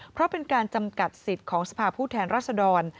เพราะเป็นการจำกัดสิทธิ์ของสภาพผู้แทนรัศดร